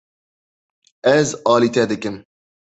Ez alî te dikim.